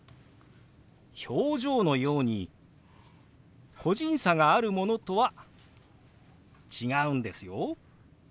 表情のように個人差があるものとは違うんですよ。